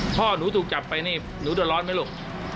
พ่อหนูถูกจับไปเลยรอดมั้ยลูก